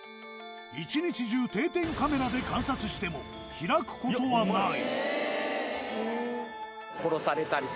１日中定点カメラで観察しても開く事はない。